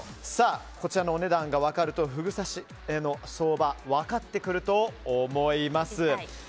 こちらのお値段が分かるとふぐ刺しの相場が分かってくると思います。